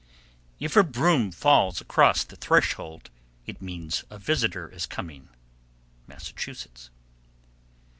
If a broom falls across the threshold, it means a visitor is coming. _Massachusetts.